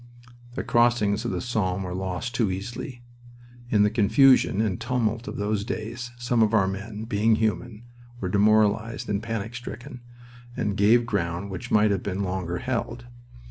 The crossings of the Somme were lost too easily. In the confusion and tumult of those days some of our men, being human, were demoralized and panic stricken, and gave ground which might have been longer held.